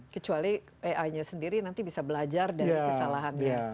kecuali ai nya sendiri nanti bisa belajar dari kesalahannya